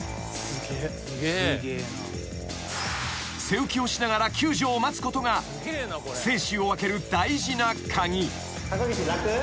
［背浮きをしながら救助を待つことが生死を分ける大事な鍵］